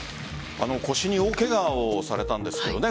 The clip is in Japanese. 腰に大ケガをされたんですけどね。